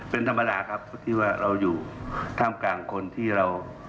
เป็นธรรมดาครับที่ว่าเราอยู่ท่ามกลางคนที่เรา